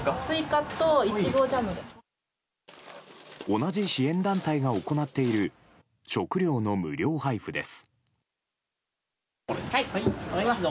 同じ支援団体が行っている食料の無料配布です。